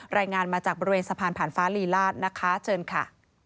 รายงานมาจากบริเวณสะพานผ่านฟ้าลีลาศนะคะเชิญค่ะ